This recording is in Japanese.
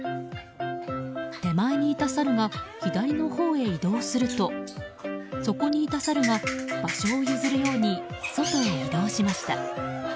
手前にいたサルが左のほうへ移動するとそこにいたサルが場所を譲るように外へ移動しました。